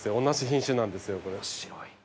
同じ品種なんですよこれ。